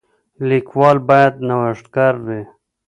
لیکوال باید نوښتګر وي.